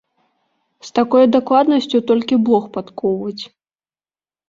З такой дакладнасцю толькі блох падкоўваць!